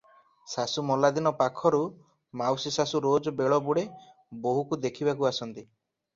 ଶାଶୁ ମଲା ଦିନ ପାଖରୁ ମାଉସୀଶାଶୁ ରୋଜ ବେଳବୁଡ଼େ ବୋହୂକୁ ଦେଖିବାକୁ ଆସନ୍ତି ।